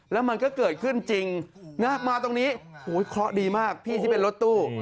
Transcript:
แล้วมันก็เกิดขึ้นจริงนะมาตรงนี้เคราะห์ดีมากพี่ที่เป็นรถตู้